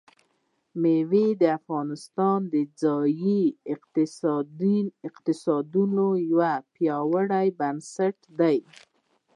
مېوې د افغانستان د ځایي اقتصادونو یو پیاوړی بنسټ دی.